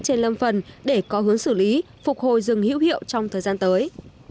trên lâm phần để có hướng xử lý phục hồi rừng hữu hiệu trong thời gian tới